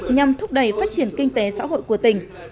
nhằm thúc đẩy phát triển kinh tế xã hội của tỉnh